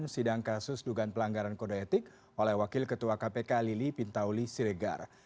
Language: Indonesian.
sidang kasus dugaan pelanggaran kode etik oleh wakil ketua kpk lili pintauli siregar